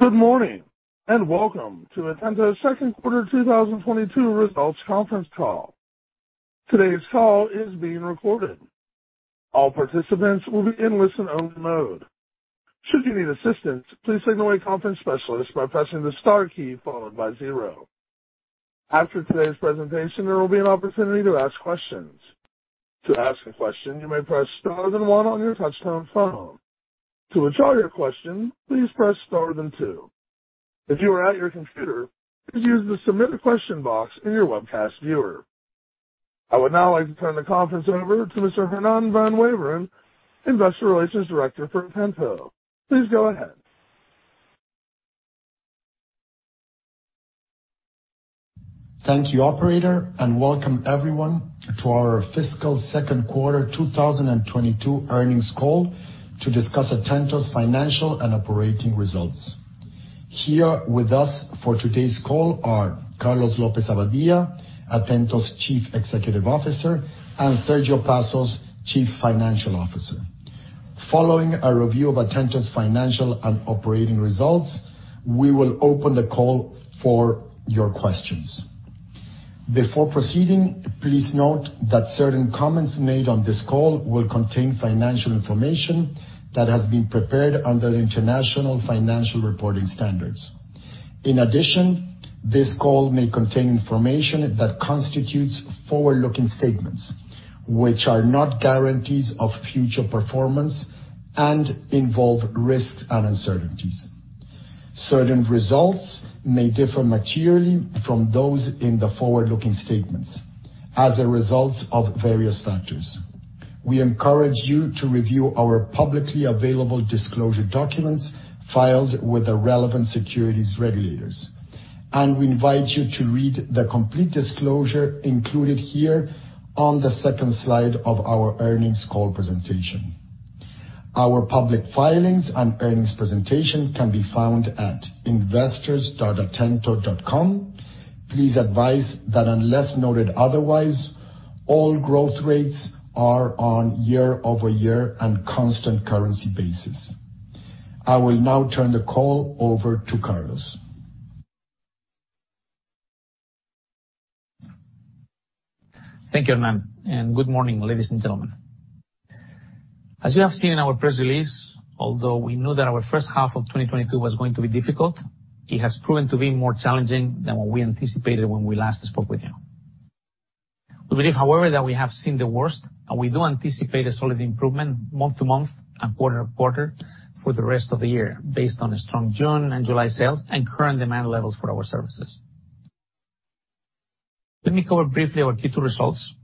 Good morning, and welcome to Atento's Second Quarter 2022 Results Conference Call. Today's call is being recorded. All participants will be in listen-only mode. Should you need assistance, please signal a conference specialist by pressing the star key followed by zero. After today's presentation, there will be an opportunity to ask questions. To ask a question, you may press star then one on your touchtone phone. To withdraw your question, please press star then two. If you are at your computer, please use the Submit a Question box in your webcast viewer. I would now like to turn the conference over to Mr. Hernan van Waveren, Investor Relations Director for Atento. Please go ahead. Thank you, operator, and welcome everyone to our Fiscal Second Quarter 2022 Earnings Call to discuss Atento's financial and operating results. Here with us for today's call are Carlos López-Abadía, Atento's Chief Executive Officer, and Sergio Passos, Chief Financial Officer. Following a review of Atento's financial and operating results, we will open the call for your questions. Before proceeding, please note that certain comments made on this call will contain financial information that has been prepared under international financial reporting standards. In addition, this call may contain information that constitutes forward-looking statements, which are not guarantees of future performance and involve risks and uncertainties. Certain results may differ materially from those in the forward-looking statements as a result of various factors. We encourage you to review our publicly available disclosure documents filed with the relevant securities regulators. We invite you to read the complete disclosure included here on the second slide of our earnings call presentation. Our public filings and earnings presentation can be found at investors.atento.com. Please advise that unless noted otherwise, all growth rates are on year-over-year and constant currency basis. I will now turn the call over to Carlos. Thank you, Hernan, and good morning, ladies and gentlemen. As you have seen in our press release, although we know that our first half of 2022 was going to be difficult, it has proven to be more challenging than what we anticipated when we last spoke with you. We believe, however, that we have seen the worst, and we do anticipate a solid improvement month-to-month and quarter-to-quarter for the rest of the year based on strong June and July sales and current demand levels for our services. Let me cover briefly our Q2 results,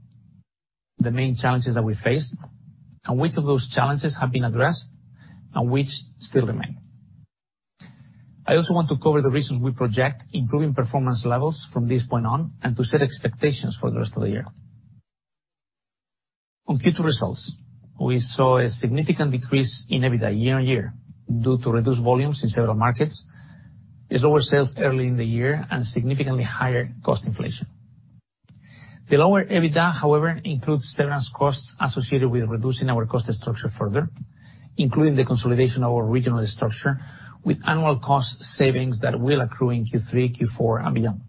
the main challenges that we face, and which of those challenges have been addressed and which still remain. I also want to cover the reasons we project improving performance levels from this point on and to set expectations for the rest of the year. On Q2 results, we saw a significant decrease in EBITDA year-on-year due to reduced volumes in several markets, as lower sales early in the year and significantly higher cost inflation. The lower EBITDA, however, includes severance costs associated with reducing our cost structure further, including the consolidation of our regional structure with annual cost savings that will accrue in Q3, Q4, and beyond.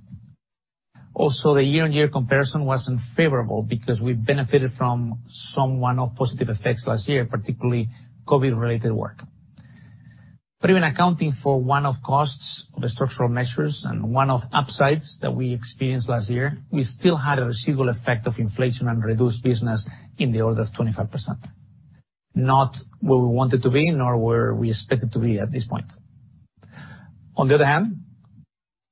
Also, the year-on-year comparison wasn't favorable because we benefited from some one-off positive effects last year, particularly COVID-related work. Even accounting for one-off costs of the structural measures and one-off upsides that we experienced last year, we still had a residual effect of inflation and reduced business in the order of 25%. Not where we wanted to be, nor where we expected to be at this point. On the other hand,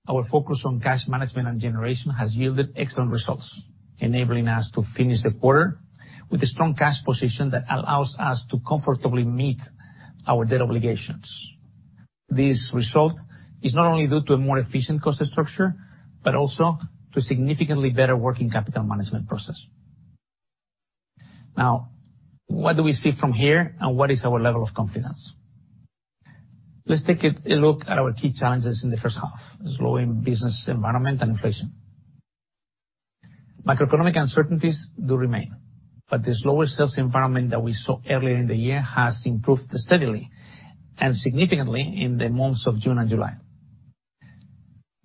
our focus on cash management and generation has yielded excellent results, enabling us to finish the quarter with a strong cash position that allows us to comfortably meet our debt obligations. This result is not only due to a more efficient cost structure, but also to a significantly better working capital management process. Now, what do we see from here, and what is our level of confidence? Let's take a look at our key challenges in the first half, slowing business environment and inflation. Microeconomic uncertainties do remain, but the slower sales environment that we saw earlier in the year has improved steadily and significantly in the months of June and July.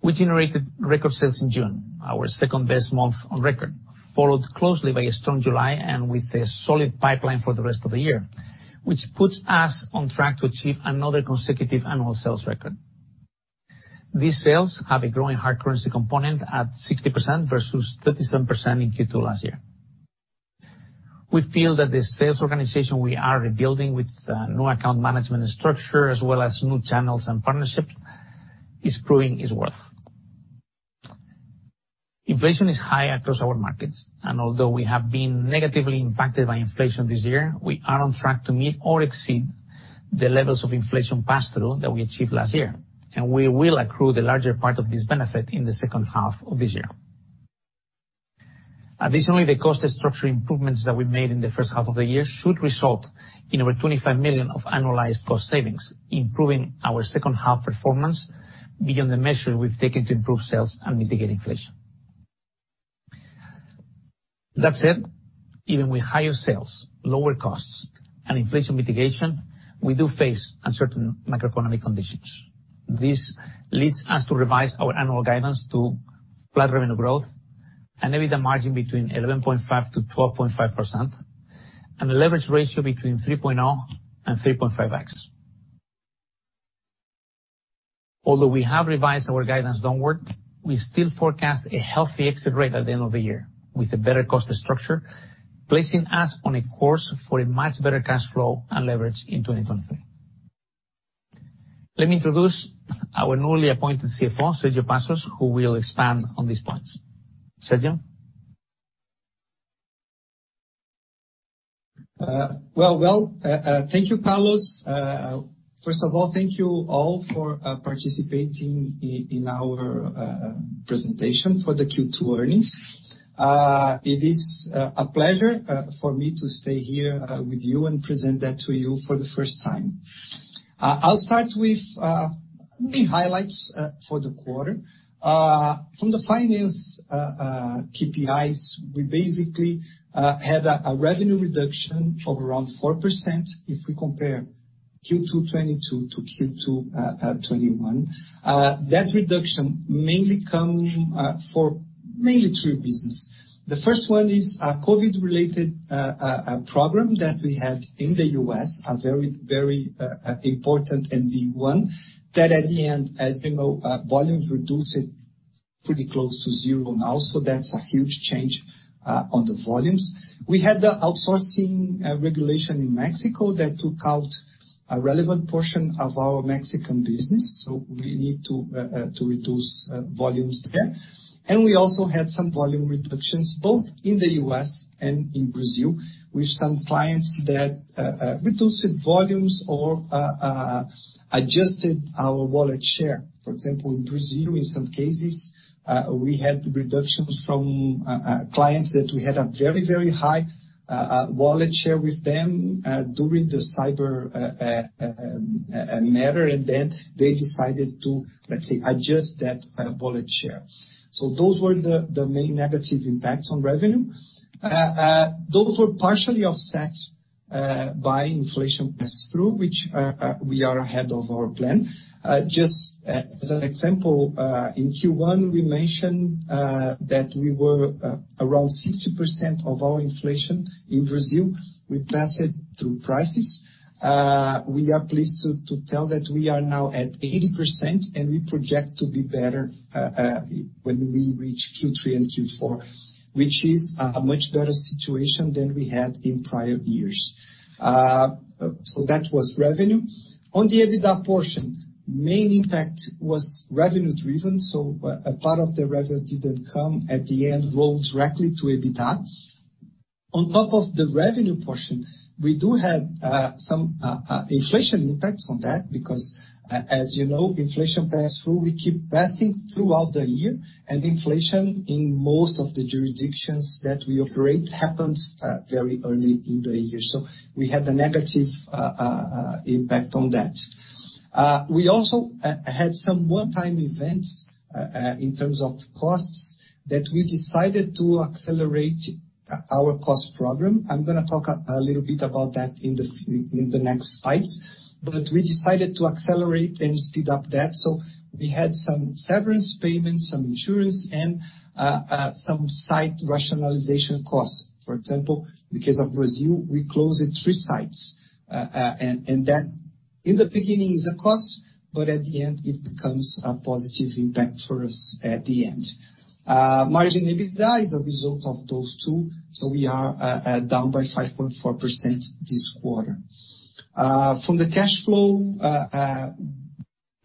We generated record sales in June, our second-best month on record, followed closely by a strong July and with a solid pipeline for the rest of the year, which puts us on track to achieve another consecutive annual sales record. These sales have a growing hard currency component at 60% versus 37% in Q2 last year. We feel that the sales organization we are rebuilding with new account management structure as well as new channels and partnerships is proving its worth. Inflation is high across our markets, and although we have been negatively impacted by inflation this year, we are on track to meet or exceed the levels of inflation pass-through that we achieved last year. We will accrue the larger part of this benefit in the second half of this year. Additionally, the cost structure improvements that we made in the first half of the year should result in over 25 million of annualized cost savings, improving our second half performance beyond the measures we've taken to improve sales and mitigate inflation. That said, even with higher sales, lower costs and inflation mitigation, we do face uncertain macroeconomic conditions. This leads us to revise our annual guidance to flat revenue growth, an EBITDA margin between 11.5%-12.5%, and a leverage ratio between 3.0x-3.5x. Although we have revised our guidance downward, we still forecast a healthy exit rate at the end of the year with a better cost structure, placing us on a course for a much better cash flow and leverage in 2023. Let me introduce our newly appointed CFO, Sergio Passos, who will expand on these points. Sergio? Well, thank you, Carlos. First of all, thank you all for participating in our presentation for the Q2 earnings. It is a pleasure for me to stay here with you and present that to you for the first time. I'll start with the highlights for the quarter. From the financial KPIs, we basically had a revenue reduction of around 4% if we compare Q2 2022 to Q2 2021. That reduction mainly comes from mainly three reasons. The first one is COVID-related, a problem that we had in the U.S., a very important and big one that at the end, as you know, volumes reduced pretty close to zero now. That's a huge change on the volumes. We had the outsourcing regulation in Mexico that took out a relevant portion of our Mexican business, so we need to reduce volumes there. We also had some volume reductions, both in the U.S. and in Brazil, with some clients that reduced volumes or adjusted our wallet share. For example, in Brazil, in some cases, we had reductions from clients that we had a very high wallet share with them during the cyber matter. They decided to, let's say, adjust that wallet share. Those were the main negative impacts on revenue. Those were partially offset by inflation pass-through, which we are ahead of our plan. Just as an example, in Q1, we mentioned that we were around 60% of our inflation in Brazil. We passed it through prices. We are pleased to tell that we are now at 80%, and we project to be better when we reach Q3 and Q4, which is a much better situation than we had in prior years. That was revenue. On the EBITDA portion, main impact was revenue-driven, so a part of the revenue didn't come at the end rolled directly to EBITDA. On top of the revenue portion, we do have some inflation impacts on that because as you know, inflation pass-through, we keep passing throughout the year, and inflation in most of the jurisdictions that we operate happens very early in the year. We had a negative impact on that. We also had some one-time events in terms of costs that we decided to accelerate our cost program. I'm gonna talk a little bit about that in the next slides. We decided to accelerate and speed up that. We had some severance payments, some insurance, and some site rationalization costs. For example, in the case of Brazil, we closed three sites. And that in the beginning is a cost, but at the end it becomes a positive impact for us at the end. EBITDA margin is a result of those two. We are down by 5.4% this quarter. From the cash flow,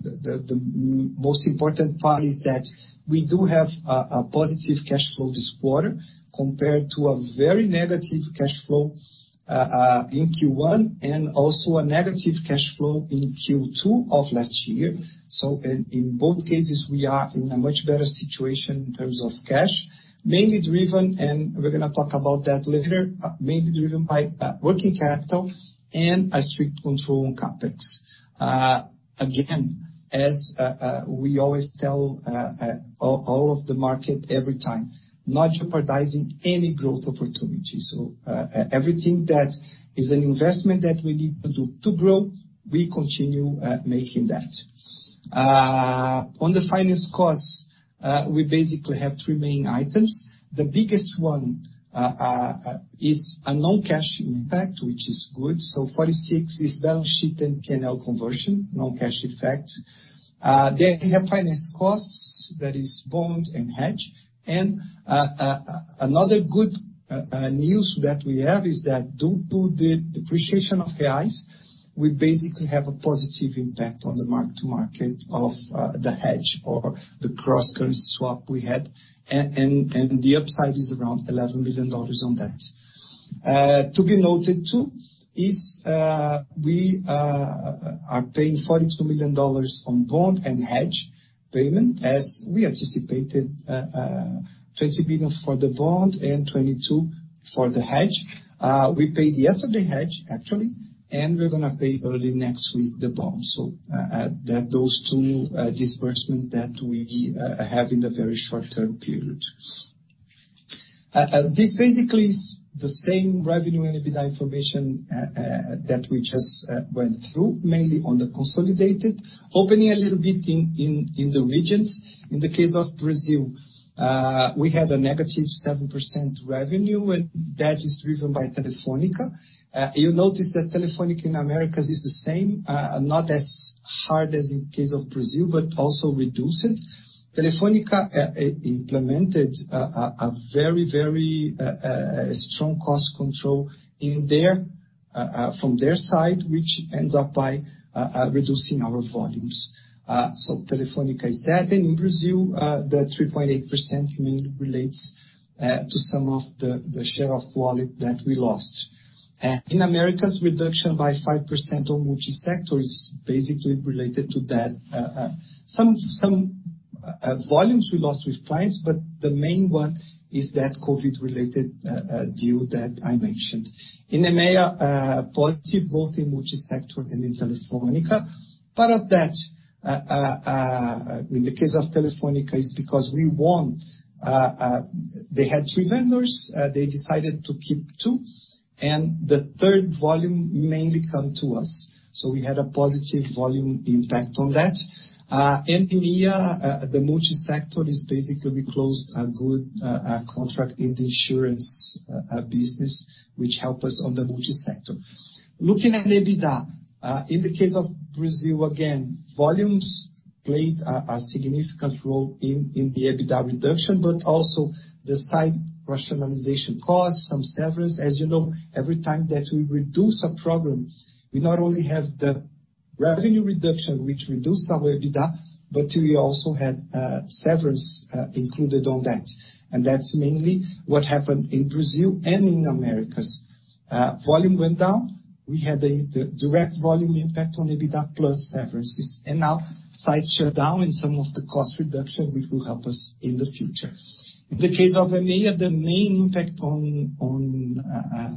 the most important part is that we do have a positive cash flow this quarter compared to a very negative cash flow in Q1 and also a negative cash flow in Q2 of last year. In both cases, we are in a much better situation in terms of cash, mainly driven, and we're gonna talk about that later, mainly driven by working capital and a strict control on CapEx. Again, as we always tell all of the market every time, not jeopardizing any growth opportunities. Everything that is an investment that we need to do to grow, we continue making that. On the finance costs, we basically have three main items. The biggest one is a non-cash impact, which is good. 46 is balance sheet and P&L conversion, non-cash effect. Then we have finance costs, that is bond and hedge. Another good news that we have is that due to the depreciation of reais, we basically have a positive impact on the mark-to-market of the hedge or the cross-currency swap we had. The upside is around $11 million on that. To be noted too is we are paying $42 million on bond and hedge payment as we anticipated, $20 million for the bond and $22 million for the hedge. We paid the hedge yesterday actually, and we're gonna pay early next week the bond. Those two disbursements that we have in the very short-term period. This basically is the same revenue and EBITDA information that we just went through, mainly on the consolidated. Opening a little bit in the regions. In the case of Brazil, we had a negative 7% revenue, and that is driven by Telefónica. You'll notice that Telefónica in Americas is the same, not as hard as in case of Brazil, but also reduced. Telefónica implemented a very strong cost control from their side, which ends up by reducing our volumes. Telefónica is that. In Brazil, the 3.8% mainly relates to some of the share of wallet that we lost. In Americas, reduction by 5% on multi-sector is basically related to that. Some volumes we lost with clients, but the main one is that COVID-related deal that I mentioned. In EMEA, positive both in multi-sector and in Telefónica. Part of that, in the case of Telefónica is because we won. They had three vendors, they decided to keep two, and the third volume mainly come to us. We had a positive volume impact on that. In EMEA, the multi-sector is basically we closed a good contract in the insurance business, which help us on the multi-sector. Looking at EBITDA, in the case of Brazil, again, volumes played a significant role in the EBITDA reduction, but also the site rationalization costs, some severance. As you know, every time that we reduce a program, we not only have the revenue reduction, which reduce our EBITDA, but we also had severance included on that. That's mainly what happened in Brazil and in Americas. Volume went down. We had the direct volume impact on EBITDA plus severances. Now site shutdown and some of the cost reduction, which will help us in the future. In the case of EMEA, the main impact on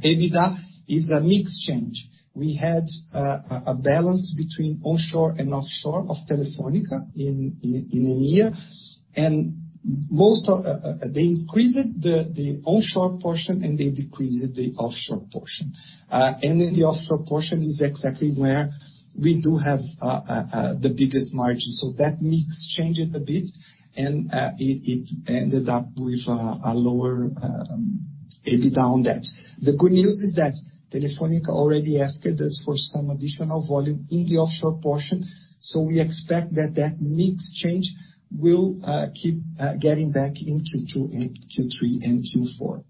EBITDA is a mix change. We had a balance between onshore and offshore of Telefónica in EMEA. Most of they increased the onshore portion, and they decreased the offshore portion. In the offshore portion is exactly where we do have the biggest margin. That mix changed a bit, and it ended up with a lower EBITDA on that. The good news is that Telefónica already asked us for some additional volume in the offshore portion, so we expect that mix change will keep getting back in Q2 and Q3 and Q4.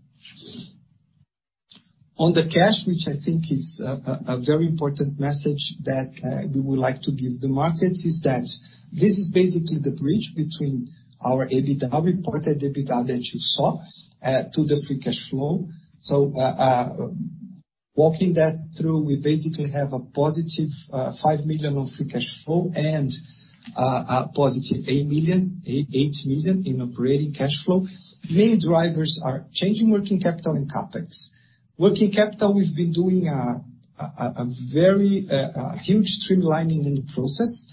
On the cash, which I think is a very important message that we would like to give the markets, is that this is basically the bridge between our EBITDA, reported EBITDA that you saw, to the free cash flow. Walking that through, we basically have a positive $5 million of free cash flow and a positive $8 million in operating cash flow. Main drivers are changing working capital and CapEx. Working capital, we've been doing a very huge streamlining in the process.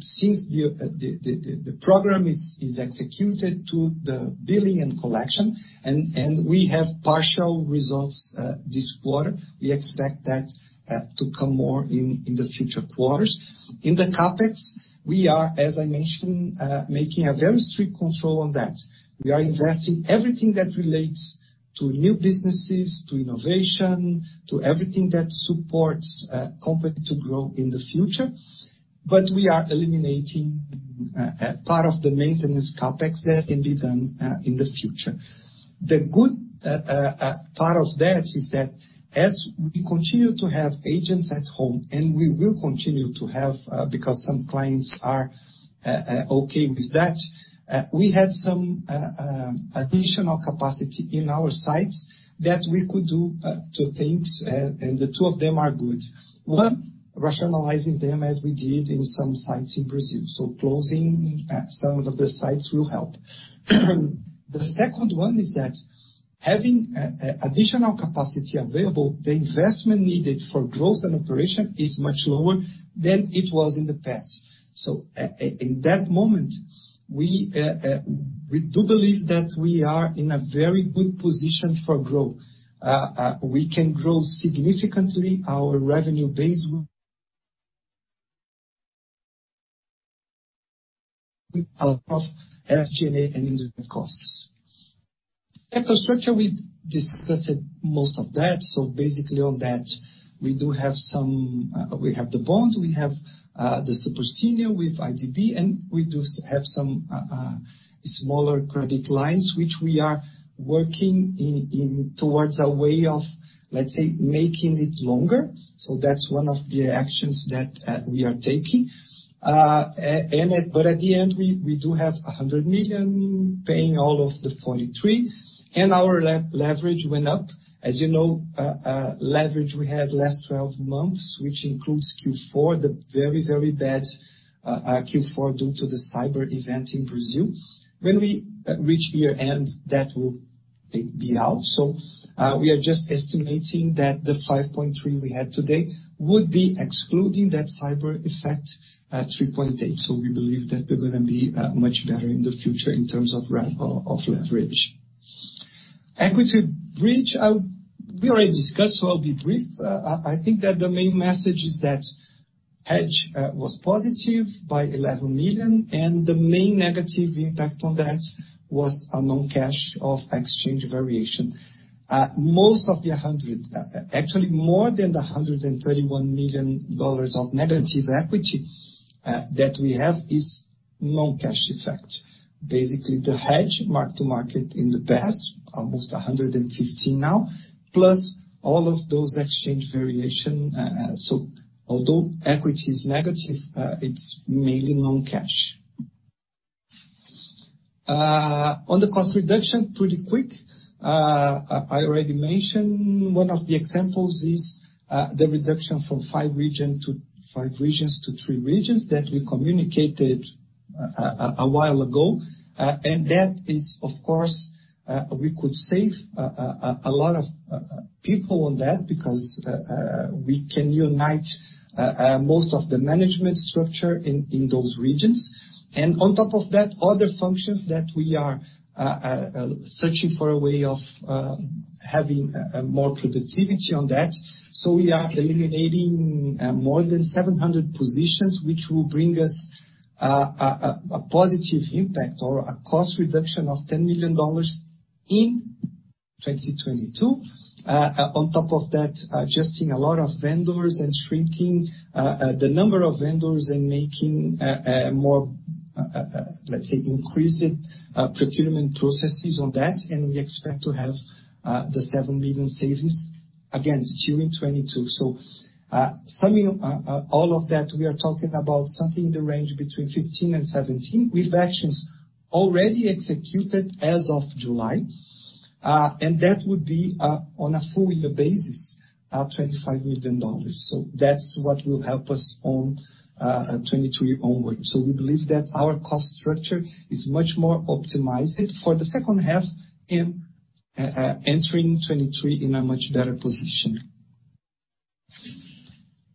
Since the program is executed to the billing and collection, and we have partial results this quarter. We expect that to come more in the future quarters. In the CapEx, we are, as I mentioned, making a very strict control on that. We are investing everything that relates to new businesses, to innovation, to everything that supports company to grow in the future. We are eliminating part of the maintenance CapEx that can be done in the future. The good part of that is that as we continue to have agents at home, and we will continue to have, because some clients are okay with that, we have some additional capacity in our sites that we could do two things, and the two of them are good. One, rationalizing them as we did in some sites in Brazil. Closing some of the sites will help. The second one is that having additional capacity available, the investment needed for growth and operation is much lower than it was in the past. In that moment, we do believe that we are in a very good position for growth. We can grow significantly our revenue base with our profit, SG&A, and indirect costs. Capital structure, we discussed most of that. Basically on that, we do have some, we have the bond, we have the super senior with IDB, and we do have some smaller credit lines, which we are working on towards a way of, let's say, making it longer. That's one of the actions that we are taking. But at the end, we do have $100 million paying all of the 2023. Our leverage went up. As you know, leverage we had last 12 months, which includes Q4, the very bad Q4 due to the cyber event in Brazil. When we reach year-end, that will, I think, be out. We are just estimating that the 5.3 we had today would be excluding that cyber effect at 3.8. We believe that we're gonna be much better in the future in terms of leverage. Equity bridge, we already discussed, I'll be brief. I think that the main message is that hedge was positive by $11 million, and the main negative impact on that was a non-cash exchange variation. Actually, more than the $131 million of negative equity that we have is non-cash effect. Basically, the hedge mark-to-market in the past, almost $115 million now, plus all of those exchange variations. Although equity is negative, it's mainly non-cash. On the cost reduction, pretty quick, I already mentioned one of the examples is the reduction from five regions to... five regions to three regions that we communicated a while ago. That is, of course, we could save a lot of people on that because we can unite most of the management structure in those regions. On top of that, other functions that we are searching for a way of having more productivity on that. We are eliminating more than 700 positions, which will bring us a positive impact or a cost reduction of $10 million in 2022. On top of that, adjusting a lot of vendors and shrinking the number of vendors and making more, let's say increasing, procurement processes on that, and we expect to have the $7 million savings, again, during 2022. Summing all of that, we are talking about something in the range between $15 million and $17 million with actions already executed as of July. That would be, on a full year basis, $25 million. That's what will help us on 2023 onward. We believe that our cost structure is much more optimized for the second half in entering 2023 in a much better position.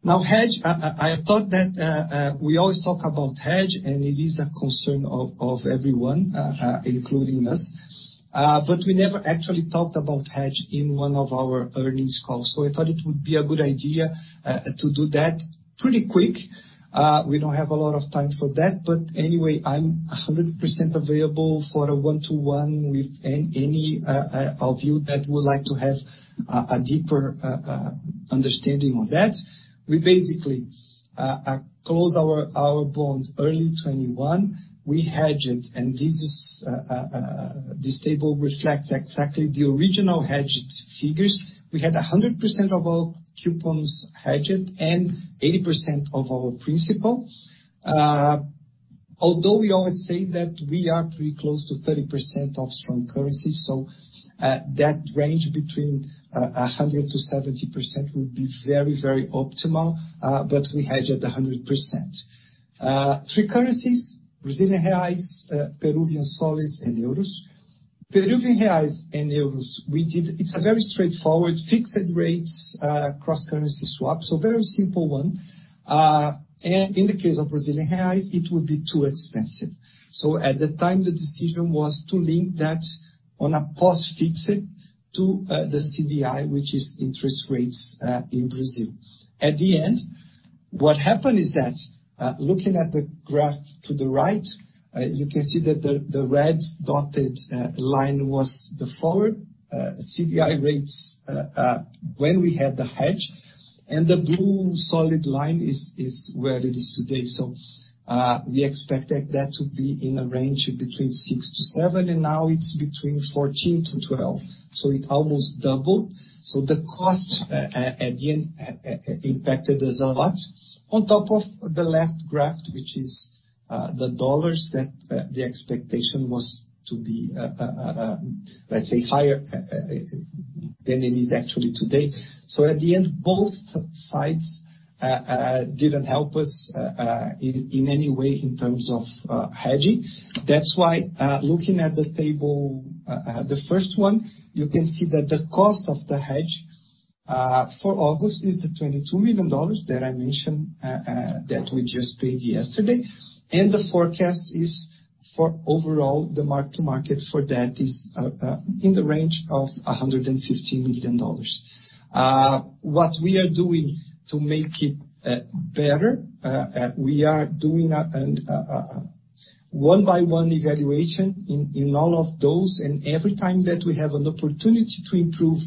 Now, hedge, I thought that we always talk about hedge, and it is a concern of everyone, including us. We never actually talked about hedge in one of our earnings calls. I thought it would be a good idea to do that pretty quick. We don't have a lot of time for that. Anyway, I'm 100% available for a one-to-one with any of you that would like to have a deeper understanding on that. We basically closed our bonds early 2021. We hedged, and this table reflects exactly the original hedged figures. We had 100% of our coupons hedged and 80% of our principal. Although we always say that we are pretty close to 30% of hard currency, so that range between 100%-70% would be very, very optimal, but we hedged 100%. Three currencies, Brazilian reais, Peruvian soles, and euros. Brazilian reais and euros, it's a very straightforward fixed-rate cross-currency swap, so very simple one. In the case of Brazilian reais, it would be too expensive. At the time, the decision was to link that on a post-fixed to the CDI, which is interest rates in Brazil. At the end, what happened is that, looking at the graph to the right, you can see that the red dotted line was the forward CDI rates when we had the hedge, and the blue solid line is where it is today. We expected that to be in a range between 6%-7%, and now it's between 14%-12%. It almost doubled. The cost at the end impacted us a lot. On top of the left graph, which is the dollars that the expectation was to be, let's say higher than it is actually today. At the end, both sides didn't help us in any way in terms of hedging. That's why, looking at the table, the first one, you can see that the cost of the hedge for August is the $22 million that I mentioned that we just paid yesterday. The forecast is for overall the mark-to-market for that is in the range of $115 million. What we are doing to make it better, we are doing a one-by-one evaluation in all of those. Every time that we have an opportunity to improve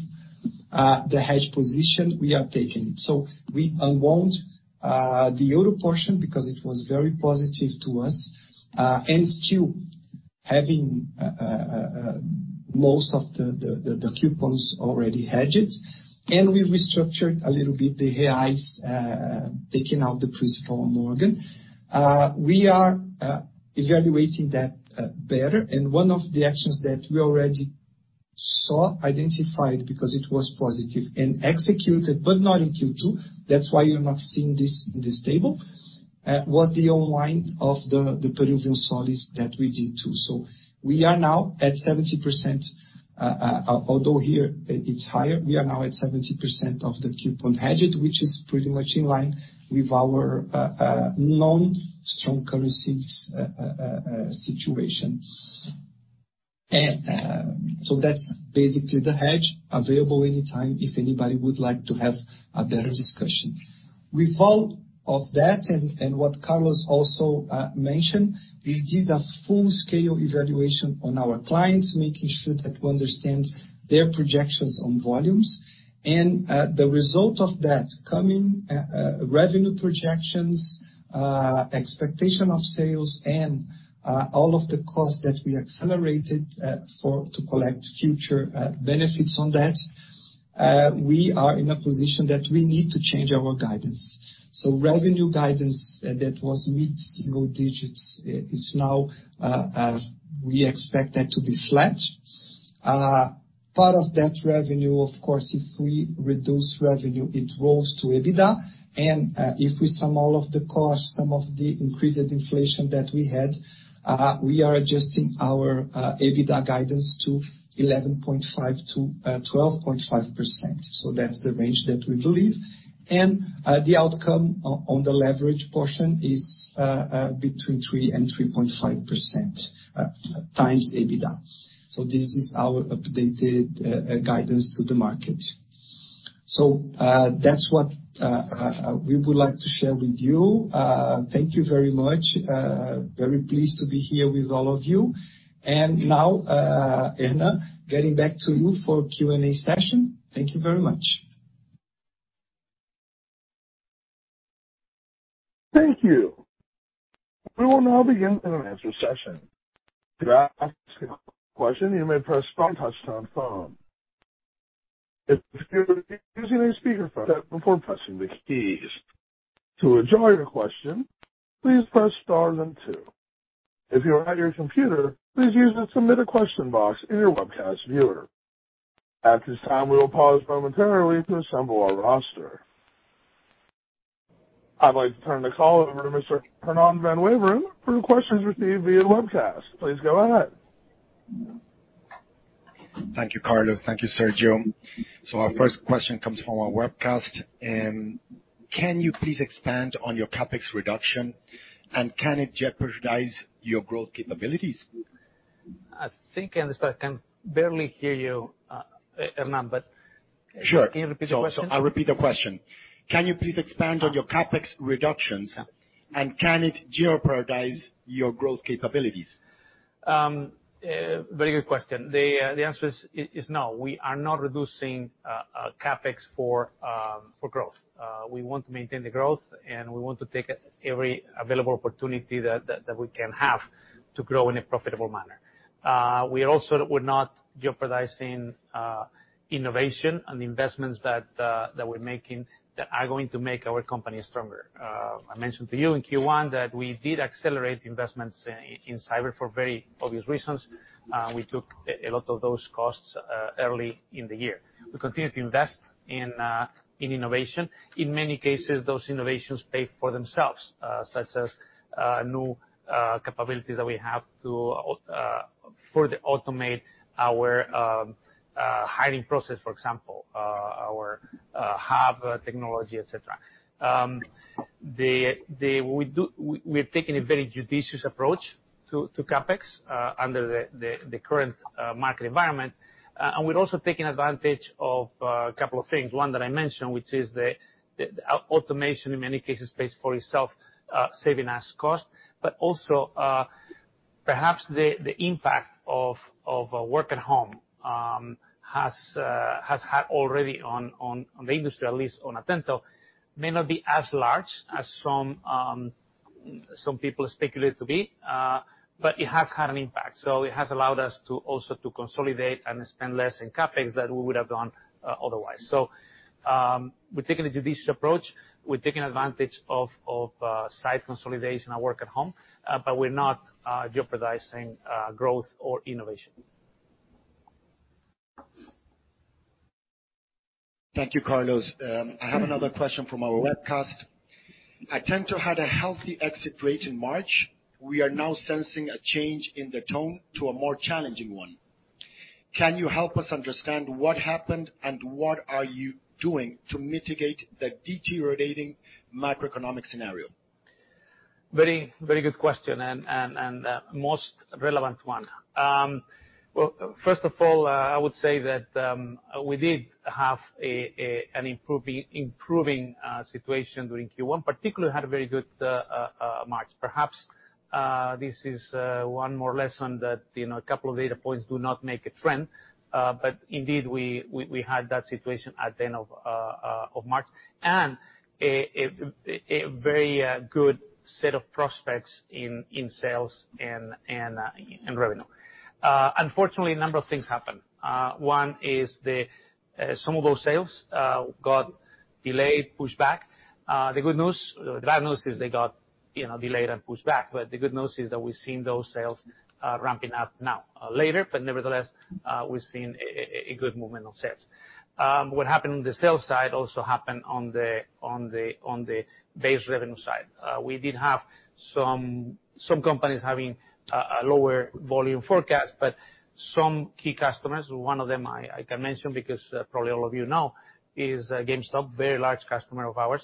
the hedge position, we are taking it. We unwound the euro portion because it was very positive to us, and still having most of the coupons already hedged. We restructured a little bit the reais, taking out the principal portion. We are evaluating that better, and one of the actions that we already took, as we identified because it was positive and executed, but not in Q2. That's why you're not seeing this in this table, was the unwind of the Peruvian soles that we did too. We are now at 70%, although here it's higher, we are now at 70% of the coupon hedged, which is pretty much in line with our non-strong currency situations. That's basically the hedge available anytime, if anybody would like to have a better discussion. With all of that, what Carlos also mentioned, we did a full-scale evaluation on our clients, making sure that we understand their projections on volumes. The result of that coming revenue projections, expectation of sales and all of the costs that we accelerated for to collect future benefits on that, we are in a position that we need to change our guidance. Revenue guidance that was mid-single digits is now we expect that to be flat. Part of that revenue, of course, if we reduce revenue, it rolls to EBITDA. If we sum all of the costs, some of the increased inflation that we had, we are adjusting our EBITDA guidance to 11.5%-12.5%. That's the range that we believe. The outcome on the leverage portion is between 3% and 3.5% X EBITDA. This is our updated guidance to the market. That's what we would like to share with you. Thank you very much. Very pleased to be here with all of you. Now, Hernan van Waveren, getting back to you for Q&A session. Thank you very much. Thank you. We will now begin an answer session. To ask a question, you may press star, then one, star. If you're using a speakerphone, before pressing the keys. To withdraw your question, please press star then two. If you are at your computer, please use the submit a question box in your webcast viewer. At this time, we will pause momentarily to assemble our roster. I'd like to turn the call over to Mr. Hernan van Waveren for the questions received via webcast. Please go ahead. Thank you, Carlos. Thank you, Sergio. Our first question comes from our webcast. Can you please expand on your CapEx reduction, and can it jeopardize your growth capabilities? I think, sorry, I can barely hear you, Hernan. Sure. Can you repeat the question? I'll repeat the question. Can you please expand on your CapEx reductions, and can it jeopardize your growth capabilities? Very good question. The answer is no, we are not reducing CapEx for growth. We want to maintain the growth, and we want to take every available opportunity that we can have to grow in a profitable manner. We also would not jeopardizing innovation and the investments that we're making that are going to make our company stronger. I mentioned to you in Q1 that we did accelerate investments in cyber for very obvious reasons. We took a lot of those costs early in the year. We continue to invest in innovation. In many cases, those innovations pay for themselves, such as new capabilities that we have to further automate our hiring process, for example, our hub technology, etc. We've taken a very judicious approach to CapEx under the current market environment. We're also taking advantage of a couple of things. One that I mentioned, which is the automation in many cases pays for itself, saving us cost. Perhaps the impact of work at home has had already on the industry, at least on Atento, may not be as large as some people speculate it to be, but it has had an impact. It has allowed us to also consolidate and spend less in CapEx than we would have done otherwise. We're taking a judicious approach. We're taking advantage of site consolidation and work at home, but we're not jeopardizing growth or innovation. Thank you, Carlos. I have another question from our webcast. Atento had a healthy exit rate in March. We are now sensing a change in the tone to a more challenging one. Can you help us understand what happened and what are you doing to mitigate the deteriorating macroeconomic scenario? Very, very good question and most relevant one. Well, first of all, I would say that we did have an improving situation during Q1. Particularly, had a very good March. Perhaps this is one more lesson that, you know, a couple of data points do not make a trend. Indeed, we had that situation at the end of March. A very good set of prospects in sales and revenue. Unfortunately, a number of things happened. One is that some of those sales got delayed, pushed back. The good news or the bad news is they got delayed and pushed back. You know, the good news is that we're seeing those sales ramping up now. Later, but nevertheless, we're seeing a good movement on sales. What happened on the sales side also happened on the base revenue side. We did have some companies having a lower volume forecast, but some key customers, one of them I can mention because probably all of you know, is GameStop, very large customer of ours.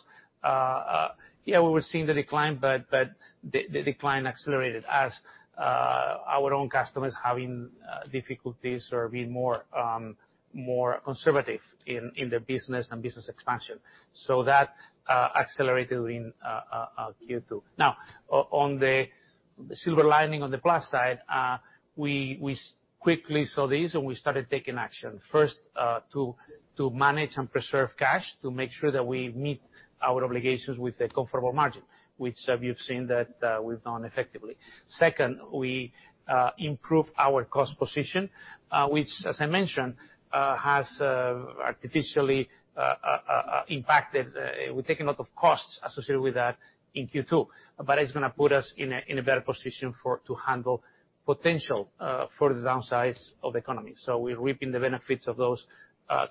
We were seeing the decline, but the decline accelerated as our own customers having difficulties or being more conservative in their business and expansion. That accelerated in Q2. Now, on the silver lining on the plus side, we quickly saw this and started taking action, first to manage and preserve cash to make sure that we meet our obligations with a comfortable margin, which we've seen that we've done effectively. Second, we improved our cost position. We've taken a lot of costs associated with that in Q2, but it's gonna put us in a better position to handle potential further downsides of the economy. We're reaping the benefits of those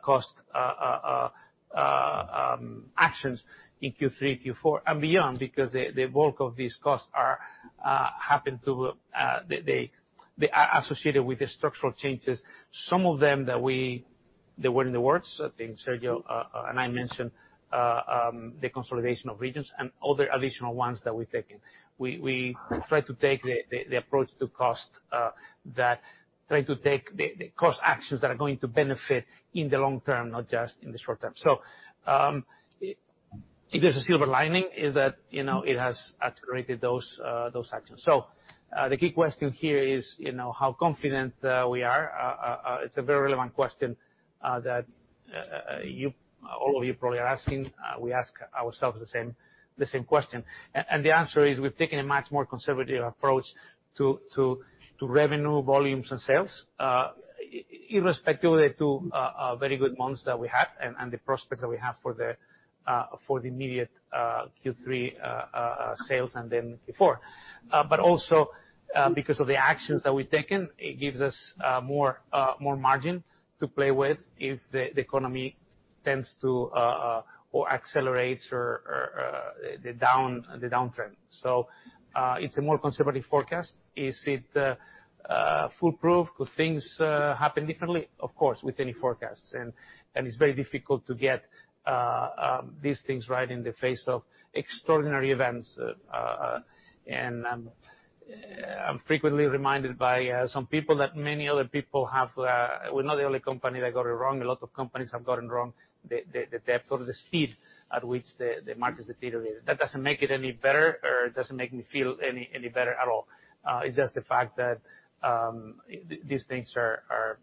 cost actions in Q3, Q4, and beyond. They are associated with the structural changes, some of them that were in the works. I think Sergio and I mentioned the consolidation of regions and other additional ones that we're taking. We try to take the approach to cost actions that are going to benefit in the long term, not just in the short term. If there's a silver lining, is that, you know, it has accelerated those actions. The key question here is, you know, how confident we are. It's a very relevant question that all of you probably are asking. We ask ourselves the same question. The answer is we've taken a much more conservative approach to revenue, volumes and sales, irrespective of a very good month that we had and the prospects that we have for the immediate Q3 sales and then Q4. But also, because of the actions that we've taken, it gives us more margin to play with if the economy tends to or accelerates or the downtrend. It's a more conservative forecast. Is it foolproof? Could things happen differently? Of course, with any forecast. It's very difficult to get these things right in the face of extraordinary events. I'm frequently reminded by some people that many other people have. We're not the only company that got it wrong. A lot of companies have gotten wrong the depth or the speed at which the market deteriorated. That doesn't make it any better or doesn't make me feel any better at all. It's just the fact that these things are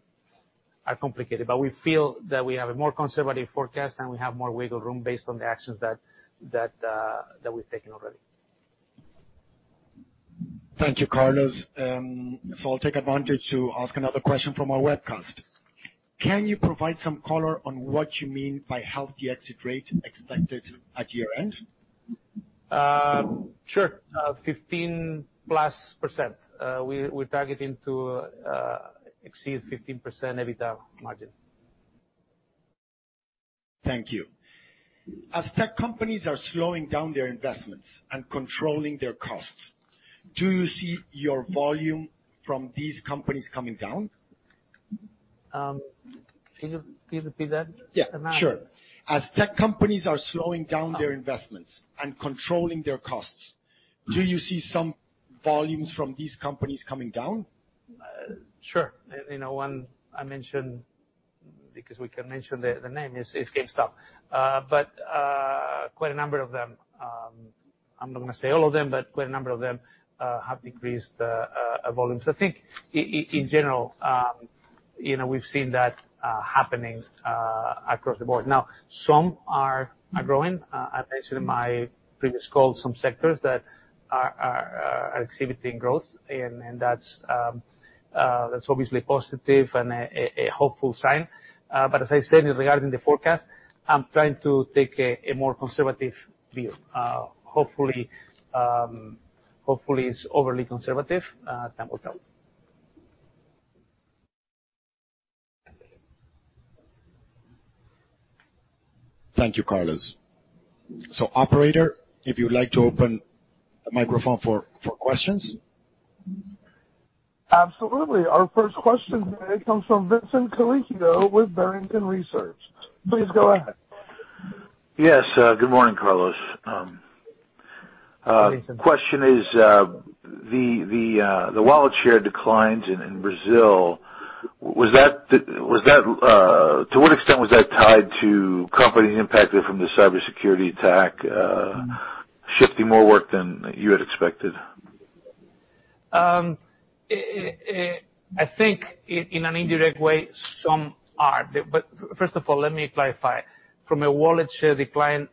complicated. We feel that we have a more conservative forecast and we have more wiggle room based on the actions that we've taken already. Thank you, Carlos. I'll take advantage to ask another question from our webcast. Can you provide some color on what you mean by healthy exit rate expected at year-end? Sure. 15%+. We're targeting to exceed 15% EBITDA margin. Thank you. As tech companies are slowing down their investments and controlling their costs, do you see your volume from these companies coming down? Can you repeat that, Hernan van Waveren? Yeah, sure. As tech companies are slowing down their investments and controlling their costs, do you see some volumes from these companies coming down? Sure. You know, one I mentioned, because we can mention the name, is GameStop. Quite a number of them, I'm not gonna say all of them, but quite a number of them have decreased volumes. I think in general, you know, we've seen that happening across the board. Now, some are growing. I mentioned in my previous call some sectors that are exhibiting growth and that's obviously positive and a hopeful sign. As I said, regarding the forecast, I'm trying to take a more conservative view. Hopefully it's overly conservative. Time will tell. Thank you, Carlos. Operator, if you would like to open the microphone for questions. Absolutely. Our first question today comes from Vincent Colicchio with Barrington Research. Please go ahead. Yes. Good morning, Carlos. Good morning, sir. Question is, the wallet share declines in Brazil. To what extent was that tied to companies impacted by the cybersecurity attack shifting more work than you had expected? I think in an indirect way, some are. First of all, let me clarify. From a wallet share decline,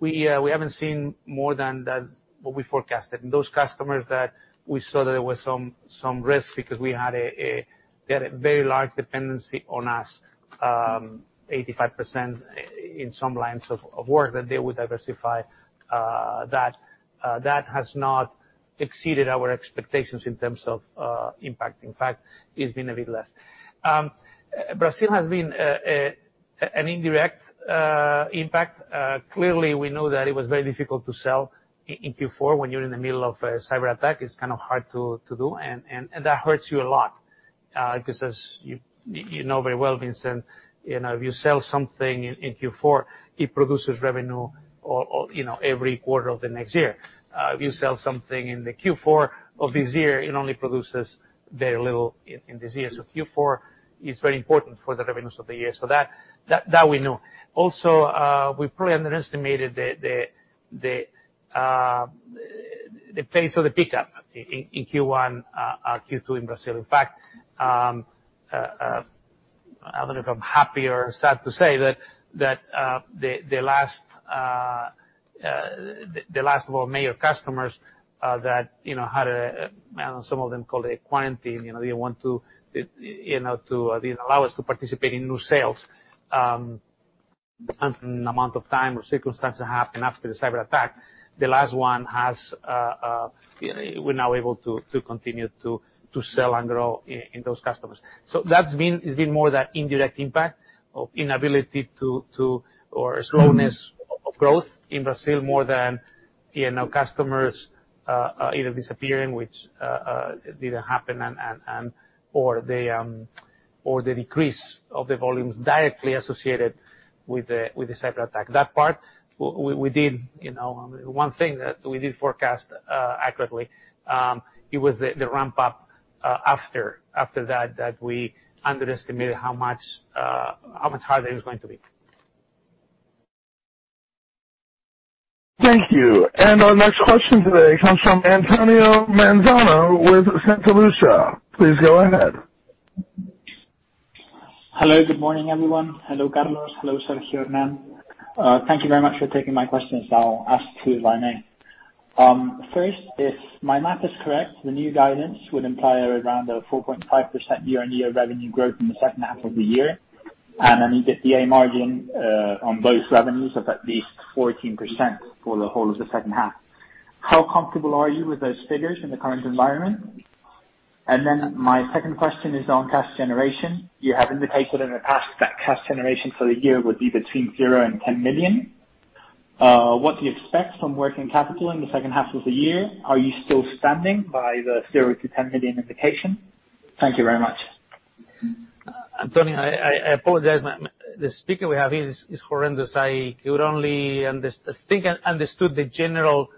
we haven't seen more than what we forecasted. Those customers that we saw that there was some risk because they had a very large dependency on us, 85% in some lines of work that they would diversify, that has not exceeded our expectations in terms of impact. In fact, it's been a bit less. Brazil has been an indirect impact. Clearly, we know that it was very difficult to sell in Q4. When you're in the middle of a cyberattack, it's kind of hard to do, and that hurts you a lot, because as you know very well, Vincent, you know, if you sell something in Q4, it produces revenue or you know, every quarter of the next year. If you sell something in the Q4 of this year, it only produces very little in this year. Q4 is very important for the revenues of the year. That we know. Also, we probably underestimated the pace of the pickup in Q1, Q2 in Brazil. In fact, I don't know if I'm happy or sad to say that the last of our major customers that you know had some of them called a quarantine, you know, they want to you know to allow us to participate in new sales amount of time or circumstances that happened after the cyberattack. The last one, we're now able to continue to sell and grow in those customers. So that's been. It's been more that indirect impact of inability to or slowness of growth in Brazil more than you know customers either disappearing, which didn't happen, and or the decrease of the volumes directly associated with the cyberattack. That part we did, you know. One thing that we did forecast accurately, it was the ramp up after that that we underestimated how hard it was going to be. Thank you. Our next question today comes from Antonio Manzano with Santalucía Asset Management. Please go ahead. Hello, good morning, everyone. Hello, Carlos. Hello, Sergio and Hernan van Waveren. Thank you very much for taking my questions. I'll ask two on my mind. First, if my math is correct, the new guidance would imply around a 4.5% year-on-year revenue growth in the second half of the year, and an EBITDA margin on both revenues of at least 14% for the whole of the second half. How comfortable are you with those figures in the current environment? My second question is on cash generation. You have indicated in the past that cash generation for the year would be between 0 and 10 million. What do you expect from working capital in the second half of the year? Are you still standing by the 0-10 million indication? Thank you very much. Antonio, I apologize. The speaker we have here is horrendous. I could only understand. I think I understood the general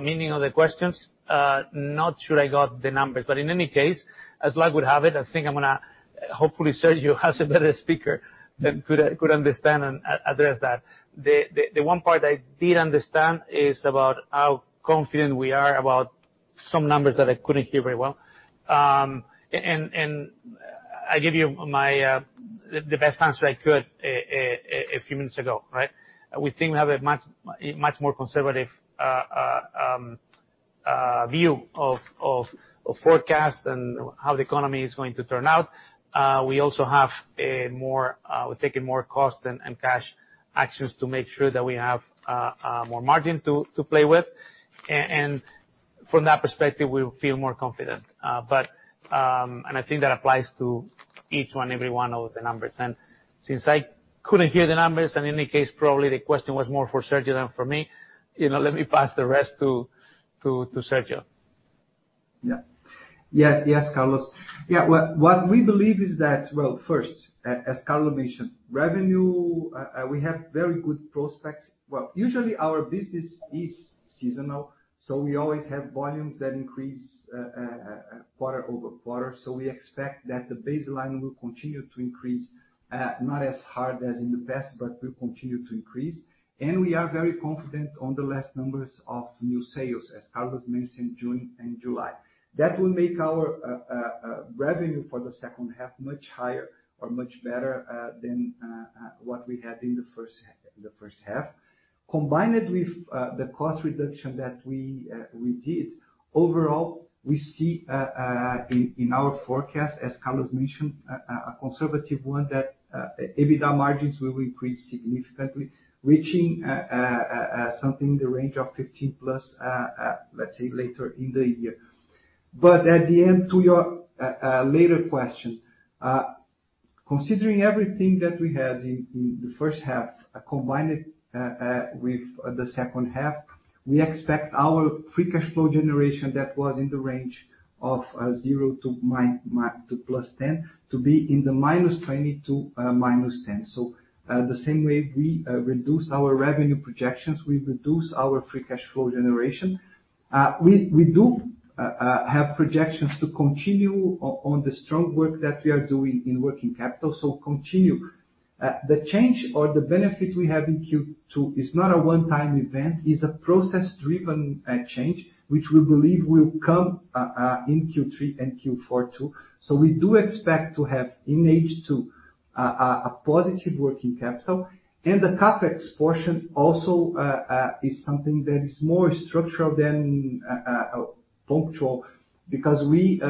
meaning of the questions. Not sure I got the numbers, but in any case, as luck would have it, I think I'm gonna hopefully Sergio has a better speaker that could understand and address that. The one part I did understand is about how confident we are about some numbers that I couldn't hear very well. And I give you my the best answer I could a few minutes ago, right? We think we have a much more conservative view of forecast and how the economy is going to turn out. We're taking more cost and cash actions to make sure that we have more margin to play with. From that perspective, we feel more confident. I think that applies to each one, every one of the numbers. Since I couldn't hear the numbers, and in any case, probably the question was more for Sergio than for me, you know, let me pass the rest to Sergio. Yes, Carlos. What we believe is that. Well, first, as Carlos mentioned, revenue, we have very good prospects. Well, usually our business is seasonal, so we always have volumes that increase quarter-over-quarter. We expect that the baseline will continue to increase, not as hard as in the past, but will continue to increase. We are very confident on the last numbers of new sales, as Carlos mentioned, June and July. That will make our revenue for the second half much higher or much better than what we had in the first half. Combined with the cost reduction that we did, overall, we see in our forecast, as Carlos mentioned, a conservative one that EBITDA margins will increase significantly, reaching something in the range of 15%+, let's say, later in the year. At the end, to your later question, considering everything that we had in the first half, combined it with the second half, we expect our free cash flow generation that was in the range of $0 to -$10 to +$10 to be in the -$20 to -$10. The same way we reduce our revenue projections, we reduce our free cash flow generation. We do have projections to continue on the strong work that we are doing in working capital. Continue. The change or the benefit we have in Q2 is not a one-time event. It's a process-driven change, which we believe will come in Q3 and Q4 too. We do expect to have in H2 a positive working capital. The CapEx portion also is something that is more structural than punctual, because we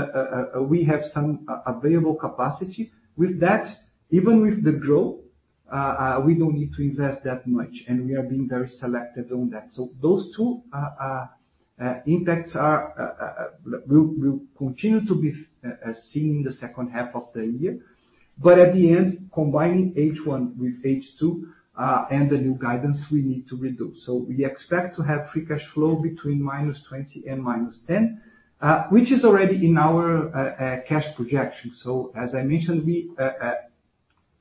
have some available capacity. With that, even with the growth we don't need to invest that much, and we are being very selective on that. Those two impacts will continue to be seen in the second half of the year. At the end, combining H1 with H2, and the new guidance we need to reduce. We expect to have free cash flow between -$20 million and -$10 million, which is already in our cash projection. As I mentioned, we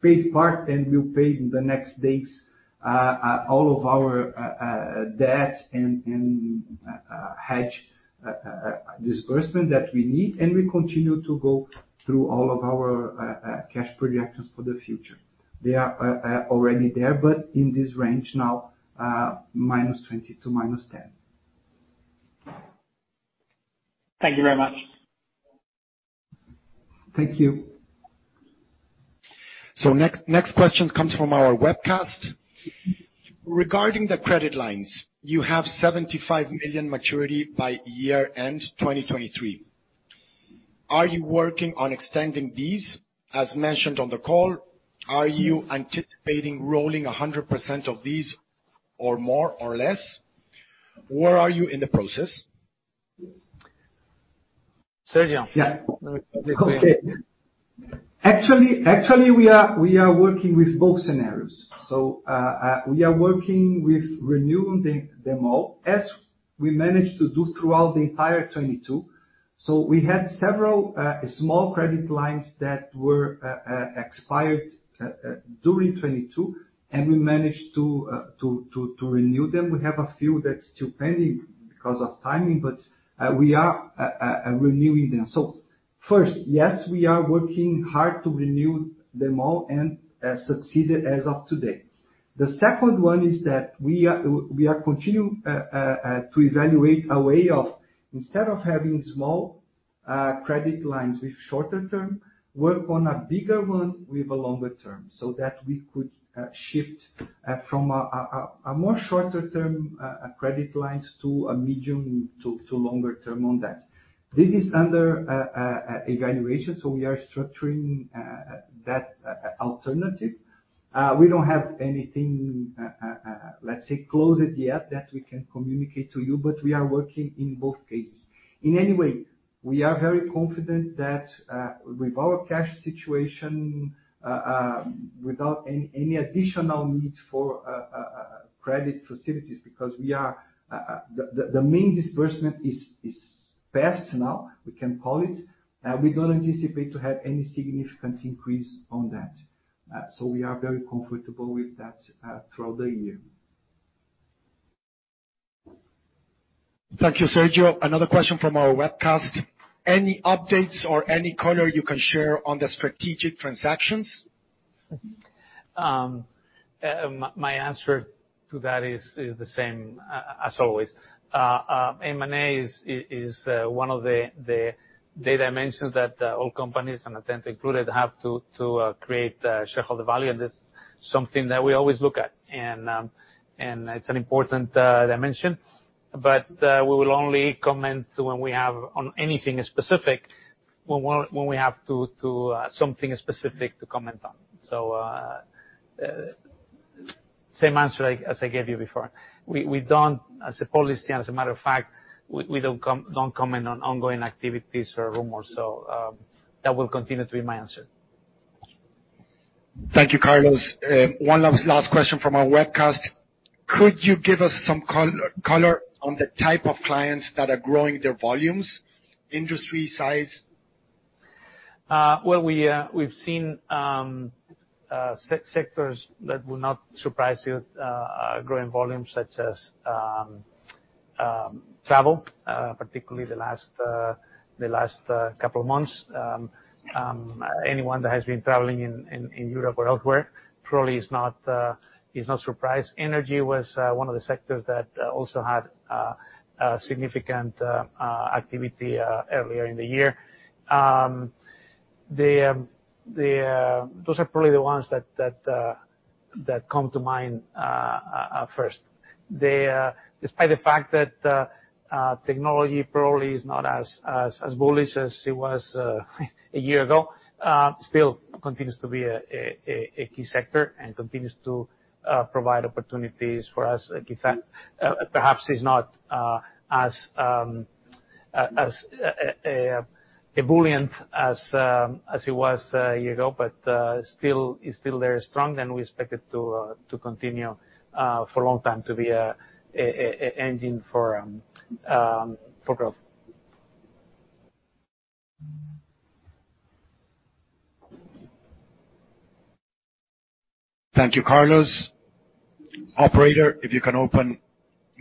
paid part and will pay in the next days all of our debt and hedge disbursement that we need, and we continue to go through all of our cash projections for the future. They are already there, but in this range now, -$20 million to -$10 million. Thank you very much. Thank you. Next question comes from our webcast: Regarding the credit lines, you have 75 million maturity by year-end, 2023. Are you working on extending these, as mentioned on the call? Are you anticipating rolling 100% of these or more or less? Where are you in the process? Sergio. Yeah. Let me- Actually, we are working with both scenarios. We are working with renewing them all as we managed to do throughout the entire 2022. We had several small credit lines that were expired during 2022, and we managed to renew them. We have a few that's still pending because of timing, but we are renewing them. First, yes, we are working hard to renew them all and succeeded as of today. The second one is that we are continuing to evaluate a way of instead of having small credit lines with shorter term, work on a bigger one with a longer term, so that we could shift from a shorter term credit lines to a medium to longer term on that. This is under evaluation, so we are structuring that alternative. We don't have anything, let's say closed yet that we can communicate to you, but we are working in both cases. In any way, we are very confident that with our cash situation, without any additional need for credit facilities because the main disbursement is passed now, we can call it. We don't anticipate to have any significant increase on that. We are very comfortable with that throughout the year. Thank you, Sergio. Another question from our webcast: Any updates or any color you can share on the strategic transactions? My answer to that is the same as always. M&A is one of the key dimensions that all companies and Atento included have to create shareholder value, and this is something that we always look at. It's an important dimension, but we will only comment when we have something specific to comment on. Same answer as I gave you before. We don't, as a policy and as a matter of fact, we don't comment on ongoing activities or rumors. That will continue to be my answer. Thank you, Carlos. One last question from our webcast: Could you give us some color on the type of clients that are growing their volumes, industry size? Well, we've seen sectors that will not surprise you, growing volumes such as travel, particularly the last couple of months. Anyone that has been traveling in Europe or elsewhere probably is not surprised. Energy was one of the sectors that also had a significant activity earlier in the year. Those are probably the ones that come to mind first. They, despite the fact that technology probably is not as bullish as it was a year ago, still continues to be a key sector and continues to provide opportunities for us. Perhaps it's not as ebullient as it was a year ago, but it's still very strong, and we expect it to continue for a long time to be a engine for growth. Thank you, Carlos. Operator, if you can open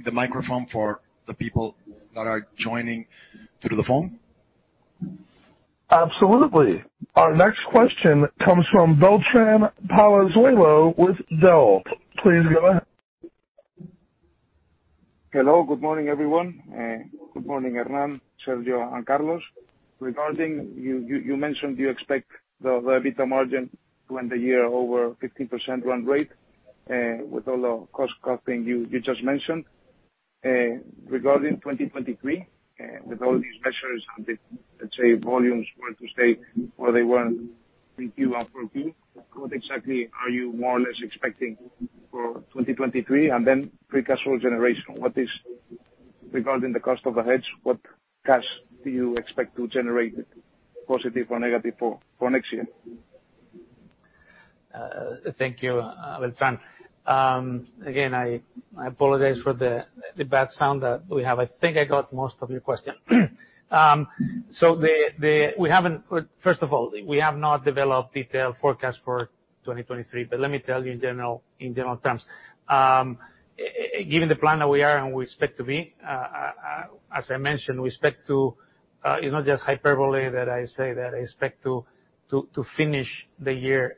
the microphone for the people that are joining through the phone. Absolutely. Our next question comes from Beltrán Palazuelo with Velo. Please go ahead. Hello, good morning, everyone. Good morning, Hernan, Sergio, and Carlos. Regarding you mentioned you expect the EBITDA margin to end the year over 15% run rate, with all the cost cutting you just mentioned. Regarding 2023, with all these measures and, let's say, volumes were to stay where they were in Q4 2021, what exactly are you more or less expecting for 2023? Free cash flow generation. Regarding the cost of the hedge, what cash do you expect to generate, positive or negative, for next year? Thank you, Beltrán. Again, I apologize for the bad sound that we have. I think I got most of your question. First of all, we have not developed detailed forecast for 2023, but let me tell you in general terms. Given the plan that we are and we expect to be, as I mentioned, we expect to, it's not just hyperbole that I say that I expect to finish the year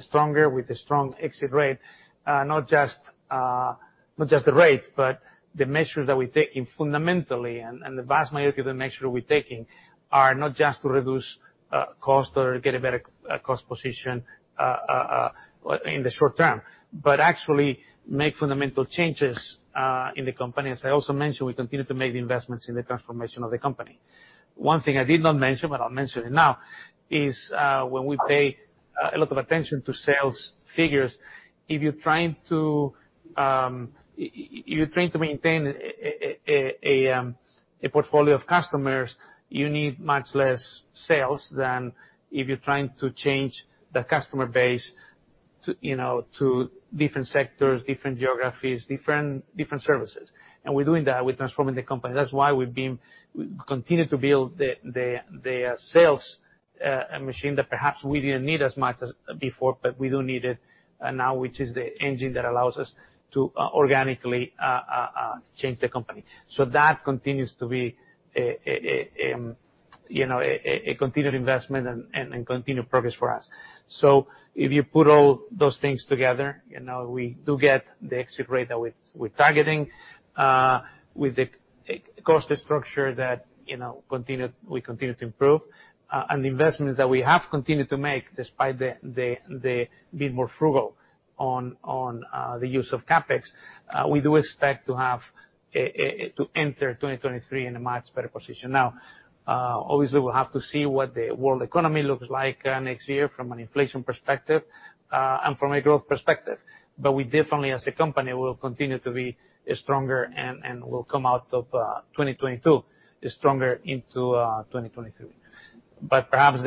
stronger with a strong exit rate, not just the rate, but the measures that we're taking fundamentally. The vast majority of the measures we're taking are not just to reduce cost or get a better cost position in the short term, but actually make fundamental changes in the company. As I also mentioned, we continue to make the investments in the transformation of the company. One thing I did not mention, but I'll mention it now, is when we pay a lot of attention to sales figures, if you're trying to maintain a portfolio of customers, you need much less sales than if you're trying to change the customer base to, you know, to different sectors, different geographies, different services. We're doing that. We're transforming the company. That's why we continue to build the sales machine that perhaps we didn't need as much as before, but we do need it now, which is the engine that allows us to organically change the company. That continues to be, you know, a continued investment and continued progress for us. If you put all those things together, you know, we do get the exit rate that we're targeting with the cost structure that, you know, we continue to improve and the investments that we have continued to make despite the being more frugal on the use of CapEx, we do expect to enter 2023 in a much better position. Now, obviously we'll have to see what the world economy looks like next year from an inflation perspective and from a growth perspective. We definitely as a company will continue to be stronger and will come out of 2022 stronger into 2023. Perhaps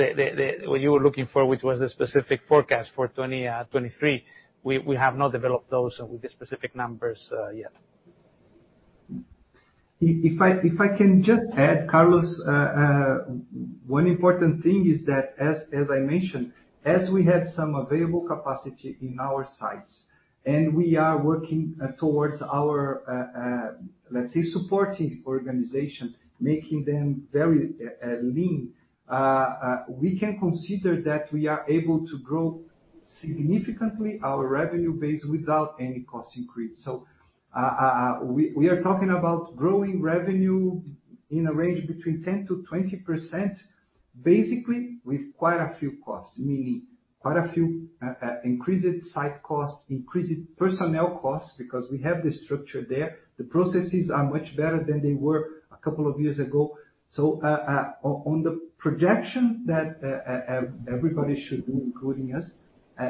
what you were looking for, which was the specific forecast for 2023, we have not developed those with the specific numbers yet. If I can just add, Carlos, one important thing is that as I mentioned, as we have some available capacity in our sites, and we are working towards our, let's say, supporting organization, making them very lean, we can consider that we are able to grow significantly our revenue base without any cost increase. We are talking about growing revenue in a range between 10%-20%, basically with quite a few costs, meaning increased site costs, increased personnel costs, because we have the structure there. The processes are much better than they were a couple of years ago. On the projections that everybody should do, including us,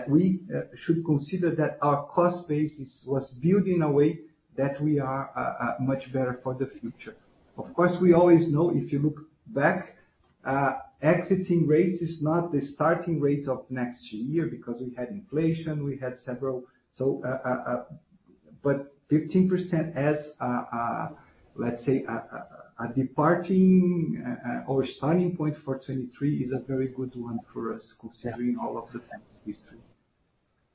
we should consider that our cost base was built in a way that we are much better for the future. Of course, we always know if you look back, exit rates is not the starting rates of next year because we had inflation, we had several. But 15% as, let's say a departure or starting point for 2023 is a very good one for us considering all of the trends this year.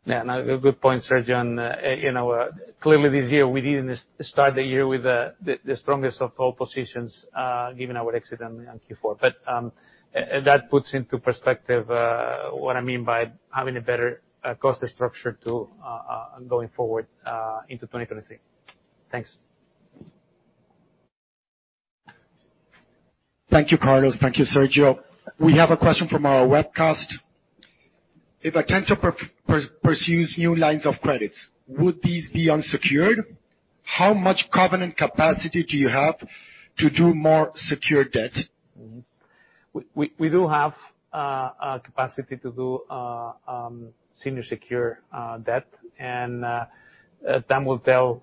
Yeah, no, good point, Sergio. You know, clearly this year we didn't start the year with the strongest of all positions, given our exit on Q4. That puts into perspective what I mean by having a better cost structure going forward into 2023. Thanks. Thank you, Carlos. Thank you, Sergio. We have a question from our webcast. If Atento pursues new lines of credit, would these be unsecured? How much covenant capacity do you have to do more secured debt? We do have capacity to do senior secured debt, and Hernan van Waveren will tell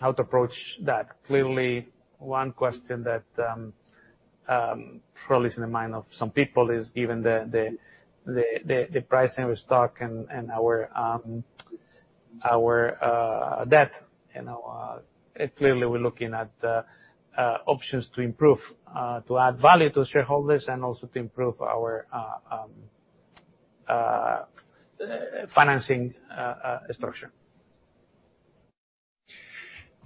how to approach that. Clearly, one question that probably is in the mind of some people is given the pricing of stock and our debt, you know, clearly we're looking at options to improve to add value to shareholders and also to improve our financing structure.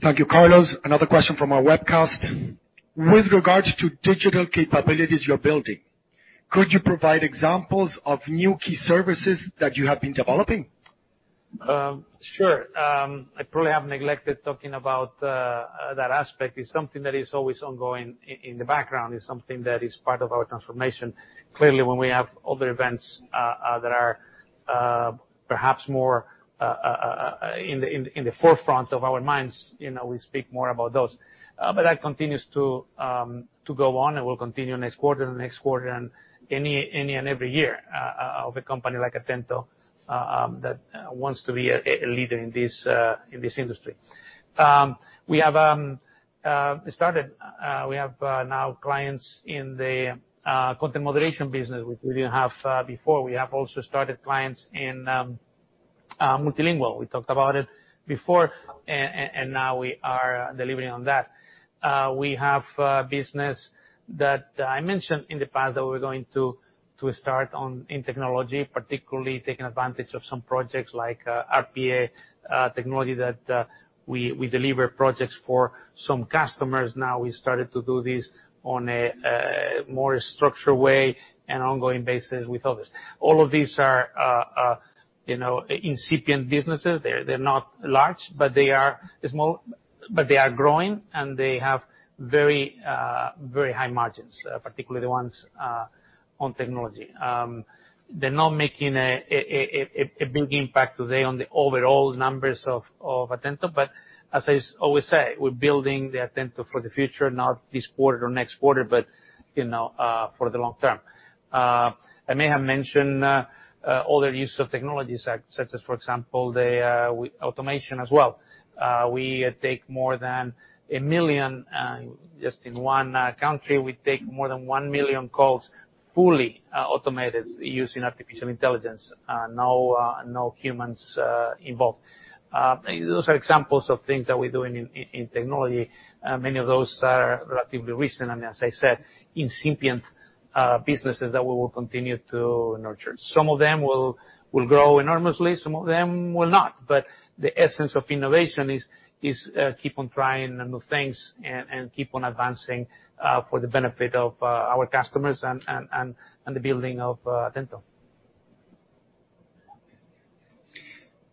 Thank you, Carlos. Another question from our webcast. With regards to digital capabilities you're building, could you provide examples of new key services that you have been developing? Sure. I probably have neglected talking about that aspect. It's something that is always ongoing in the background. It's something that is part of our transformation. Clearly, when we have other events that are perhaps more in the forefront of our minds, you know, we speak more about those. That continues to go on, and we'll continue next quarter and the next quarter and any and every year of a company like Atento that wants to be a leader in this industry. We have started. We have now clients in the content moderation business, which we didn't have before. We have also started clients in multilingual. We talked about it before, and now we are delivering on that. We have business that I mentioned in the past that we're going to start on in technology, particularly taking advantage of some projects like RPA technology that we deliver projects for some customers now. We started to do this on a more structured way and ongoing basis with others. All of these are you know incipient businesses. They're not large, but they are small, but they are growing, and they have very high margins, particularly the ones on technology. They're not making a big impact today on the overall numbers of Atento, but as I always say, we're building the Atento for the future, not this quarter or next quarter, but you know for the long term. I may have mentioned other use of technologies, such as, for example, the automation as well. We take more than 1 million calls just in one country, fully automated using artificial intelligence. No humans involved. Those are examples of things that we're doing in technology. Many of those are relatively recent, and as I said, incipient businesses that we will continue to nurture. Some of them will grow enormously, some of them will not. The essence of innovation is keep on trying new things and keep on advancing for the benefit of our customers and the building of Atento.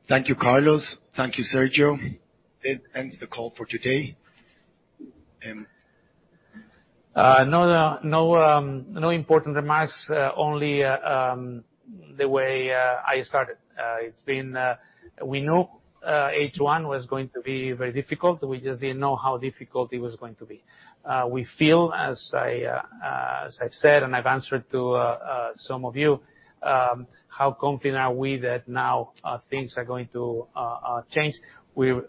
Thank you, Carlos. Thank you, Sergio. That ends the call for today. No important remarks, only the way I started. It's been. We knew H1 was going to be very difficult. We just didn't know how difficult it was going to be. We feel, as I've said, and I've answered to some of you, how confident are we that now things are going to change. We're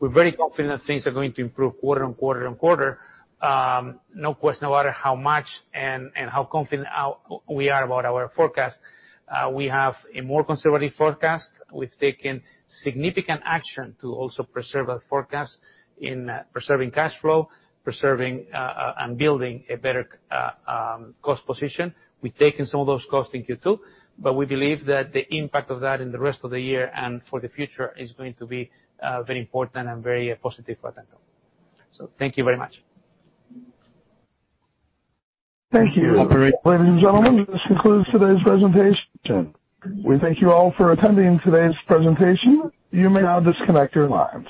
very confident things are going to improve quarter and quarter and quarter. No matter how much and how confident we are about our forecast, we have a more conservative forecast. We've taken significant action to also preserve our forecast in preserving cash flow and building a better cost position. We've taken some of those costs in Q2, but we believe that the impact of that in the rest of the year and for the future is going to be very important and very positive for Atento. Thank you very much. Thank you. Ladies and gentlemen, this concludes today's presentation. We thank you all for attending today's presentation. You may now disconnect your lines.